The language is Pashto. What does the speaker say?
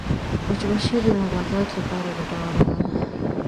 مچمچۍ د نباتاتو لپاره ګټوره ده